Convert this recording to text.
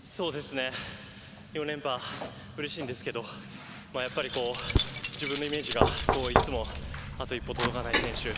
４連覇、うれしいんですけどやっぱり自分のイメージがいつもあと一歩届かない選手。